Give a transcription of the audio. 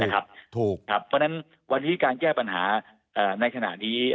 เพราะฉะนั้นวันนี้การแก้ปัญหาในขณะนี้